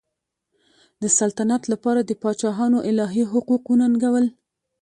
د سلطنت لپاره د پاچاهانو الهي حقوق وننګول.